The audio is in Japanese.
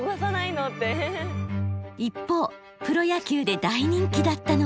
一方プロ野球で大人気だったのが。